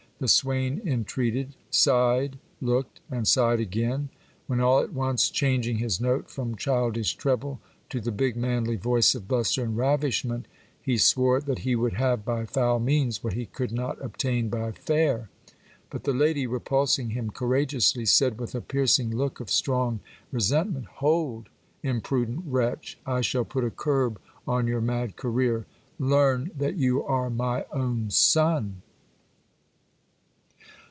The swain intreated, sighed, looked, and sighed again ; when all at once, changing his note from childish treble to the big manly voice of bluster and ravishment, he swore that he would have by foul means what he could not obtain by fair. But the lady, repulsing him courageously, said with a piercing look of strong re sentment, Hold, imprudent wretch ! I shall put a curb on your mad career. Learn that you are my own son.